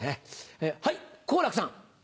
はい好楽さん。